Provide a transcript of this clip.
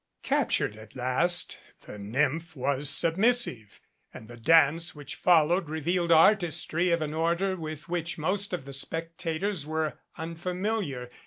Captured at last, the nymph was submissive, and the dance which followed revealed artistry of an order with which most of the spec tators were unfamiliar.